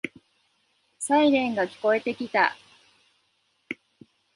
サイレンが聞こえてきた。